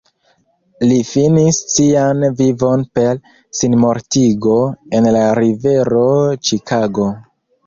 Li finis sian vivon per sinmortigo en la Rivero Ĉikago.